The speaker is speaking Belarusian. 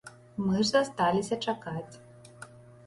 Мы ж засталіся чакаць.